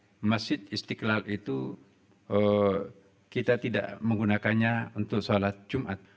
di masjid istiqlal itu kita tidak menggunakannya untuk sholat jumat